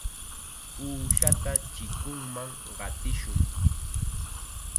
Uushata chikunman qatishun.